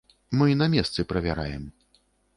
Мы на месцы правяраем.